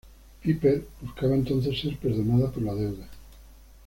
Piper buscaba entonces ser perdonada por la deuda.